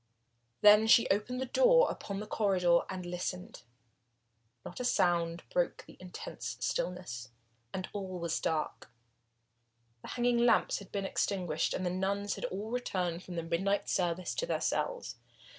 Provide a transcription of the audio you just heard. Then she opened the door upon the corridor and listened. Not a sound broke the intense stillness, and all was dark. The hanging lamp had been extinguished and the nuns had all returned from the midnight service to their cells.